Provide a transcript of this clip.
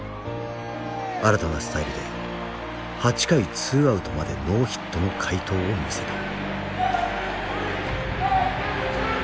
新たなスタイルで８回２アウトまでノーヒットの快投を見せた。